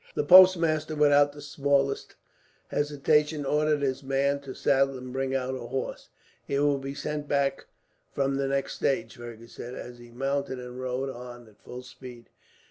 The postmaster, without the smallest hesitation, ordered his men to saddle and bring out a horse. "It will be sent back from the next stage," Fergus said, as he mounted and rode on at full speed.